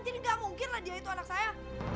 jadi gak mungkin lah dia itu anak saya